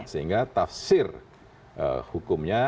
sehingga tafsir hukumnya